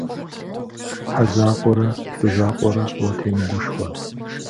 Хьэ закъуэрэ, лӏы закъуэрэ уатемыгушхуэ.